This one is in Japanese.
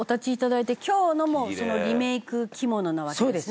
今日のもそのリメイク着物なわけですね。